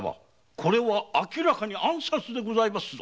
これは明らかに暗殺でございますぞ！